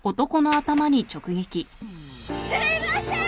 すいませーん！